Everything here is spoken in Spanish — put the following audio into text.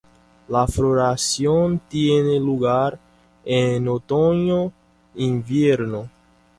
La floración tiene lugar en otoño invierno.